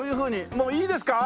もういいですか？